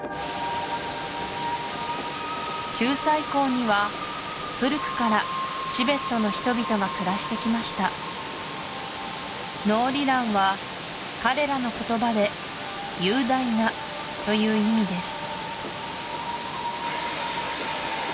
九寨溝には古くからチベットの人々が暮らしてきました「ノーリラン」は彼らの言葉で「雄大な」という意味です